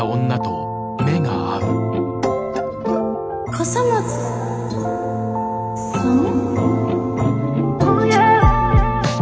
笠松さん？